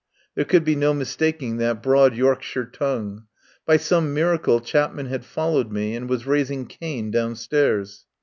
There could be no mistaking that broad Yorkshire tongue. By some miracle Chap man had followed me and was raising Cain downstairs.